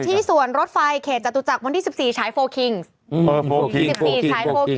เป็นการกระตุ้นการไหลเวียนของเลือด